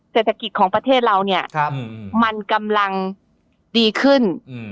เศรษฐกิจของประเทศเราเนี่ยมันกำลังดีขึ้น